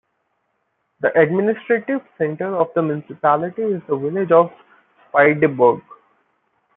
The administrative centre of the municipality is the village of Spydeberg.